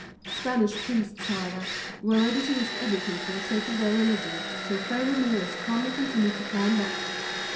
Spanish priests, however, were ready to risk everything for the sake of their religion, so Fray Ramirez calmly continued to climb up.